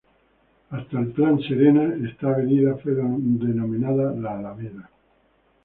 Hasta el Plan Serena esta avenida fue denominada "La Alameda".